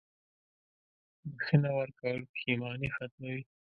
• بښنه ورکول پښېماني ختموي.